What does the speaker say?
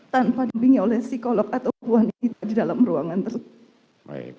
tanpa dibingi oleh psikolog atau wanita di dalam ruangan tersebut